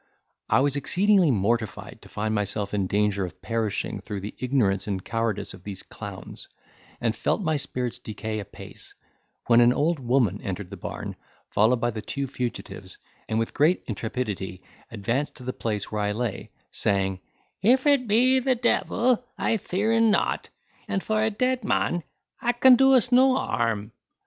I was exceedingly mortified to find myself in danger of perishing through the ignorance and cowardice of these clowns; and felt my spirits decay apace, when an old woman entered the barn, followed by the two fugitives and with great intrepidity advanced to the place where I lay, saying, "If it be the devil I fearen not, and for a dead mon a can do us no harm."